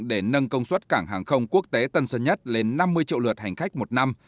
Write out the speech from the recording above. để nâng công suất cảng hàng không quốc tế tân sơn nhất lên năm mươi triệu lượt hành khách một năm